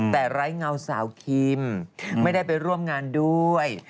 แต่ไร้เงาสาวคิมไม่ได้ไปร่วมงานด้วย